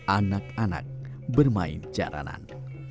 anak anak bermain jaranan